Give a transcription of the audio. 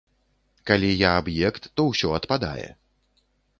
Калі я аб'ект, то ўсё адпадае.